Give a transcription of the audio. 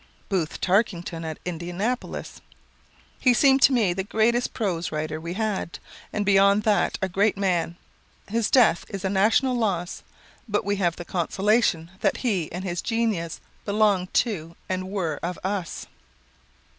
Booth Tarkington, at Indianapolis: "He seemed to me the greatest prose writer we had, and beyond that a great man. His death is a National loss, but we have the consolation that he and his genius belonged to and were of us."